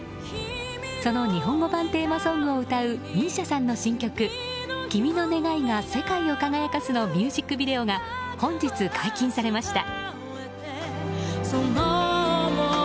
その日本語版テーマソングを歌うＭＩＳＩＡさんの新曲「君の願いが世界を輝かす」のミュージックビデオが本日解禁されました。